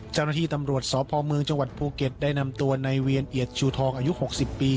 เจ้าหน้าที่ตำรวจสพเมืองจังหวัดภูเก็ตได้นำตัวในเวียนเอียดชูทองอายุ๖๐ปี